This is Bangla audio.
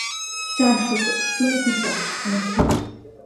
চারশত, তুমি কি চাও, বন্ধু?